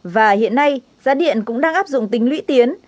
và hiện nay giá điện cũng đang áp dụng tính lũy tiến